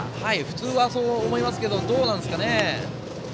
普通はそう思いますけどどうなんですかね。